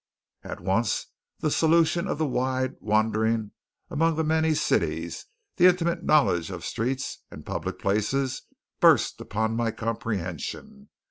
At once the solution of the wide wandering among the many cities, the intimate knowledge of streets and of public places burst upon my comprehension.